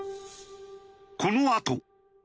このあと。